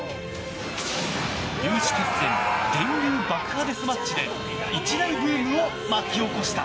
有刺鉄線電流爆破デスマッチで一大ブームを巻き起こした。